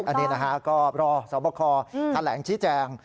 อันนี้ก็รอสวบคอร์ท่านแหล่งชี้แจง